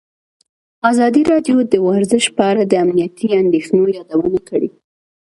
ازادي راډیو د ورزش په اړه د امنیتي اندېښنو یادونه کړې.